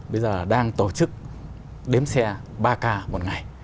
bây giờ đang tổ chức đếm xe ba k một ngày